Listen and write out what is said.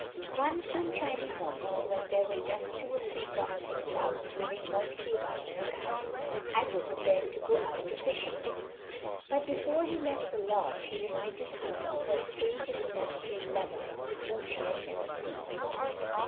One sunshiny morning, when there were just two or three promising clouds rolling moistly about the sky, Aggo prepared to go out a fishing; but before he left the lodge he reminded her of her strange and industrious lover, whom she had never seen.